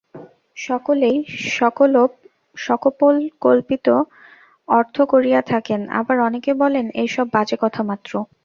সকলেই স্বকপোল-কল্পিত অর্থ করিয়া থাকেন, আবার অনেকে বলেন, এইসব বাজে কথা মাত্র।